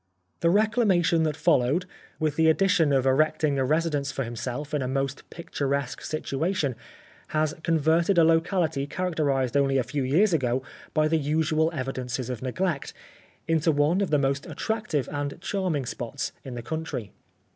The reclamation that followed, with the ad dition of erecting a residence for himself in a most picturesque situation, has converted a locality characterised only a few years ago by the usual evidences of neglect, into one of the most attractive and charming spots in the country.